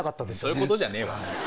そういうことじゃねえわ。